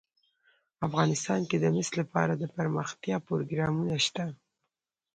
افغانستان کې د مس لپاره دپرمختیا پروګرامونه شته.